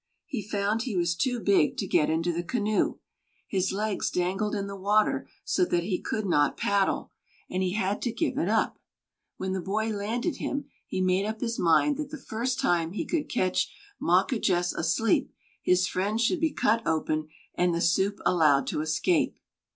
He found he was too big to get into the canoe. His legs dangled in the water so that he could not paddle, and he had to give it up. When the boy landed him, he made up his mind that the first time he could catch Mawquejess asleep, his friend should be cut open and the soup allowed to escape.